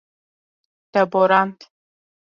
Te borand.